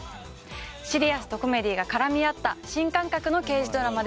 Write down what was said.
シリアスとコメディーが絡み合った新感覚の刑事ドラマです。